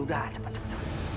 udah cepat cepat cepat